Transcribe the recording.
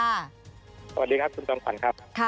อาร์หวัดดีครับคุณสลัมฝรณ์ครับ